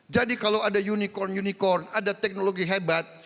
kalau ada unicorn unicorn ada teknologi hebat